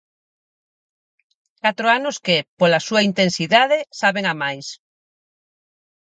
Catro anos que, pola súa intensidade, saben a máis.